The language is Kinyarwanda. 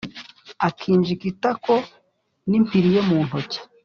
akinjika itako, n’impiri ye mu ntoki.